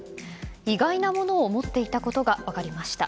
意外なものを持っていたことが分かりました。